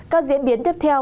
các diễn biến tiếp theo